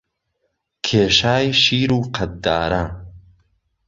کێشای شیر وقهدداره